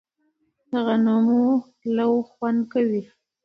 د غنمو لو خوند کوي